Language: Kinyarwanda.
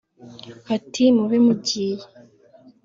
Bati mube mugiye